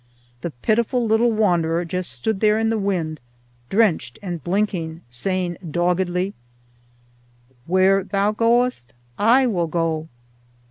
The pitiful little wanderer just stood there in the wind, drenched and blinking, saying doggedly, "Where thou goest I will go."